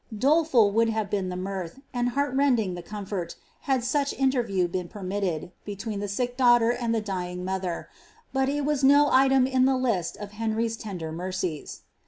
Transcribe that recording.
'^^ Doleful would have been the mirth, and heart rending the comfort, had such interview been pennitted, between the sick daughter and tiie dying motlier; but it was no item in the list of Uenr\'^s tender mercies.